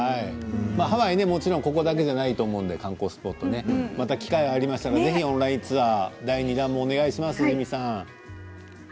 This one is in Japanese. ハワイ、もちろんここだけではないと思うので観光スポットまた機会がありましたらぜひオンラインツアー第２弾もお願いします。